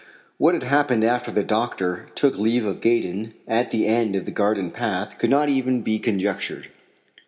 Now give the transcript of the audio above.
What had happened after the doctor took leave of Gaydon at the end of the garden path could not even be conjectured.